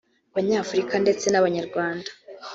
Abanyafurika ndeste n’Abanyarwanda